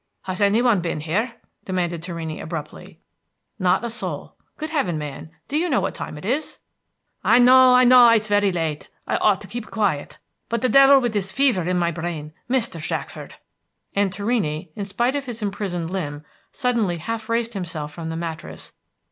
"Has any one been here?" demanded Torrini abruptly. "Not a soul. Good Heaven, man, do you know what time it is?" "I know, I know. It's very late. I ought to keep quiet; but, the devil! with this fever in my brain!... Mr. Shackford!" and Torrini, in spite of his imprisoned limb, suddenly half raised himself from the mattress.